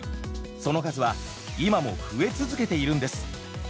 その数は今も増え続けているんです。